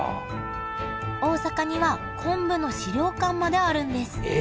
大阪には昆布の資料館まであるんです。